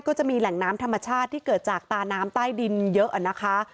ก็จะมีแหล่งน้ำธรรมชาติที่เกิดจากตาน้ำใต้ดินเยอะนะคะ